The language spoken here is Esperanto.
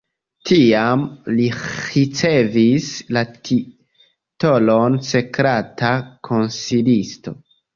Tiam li ricevis la titolon sekreta konsilisto.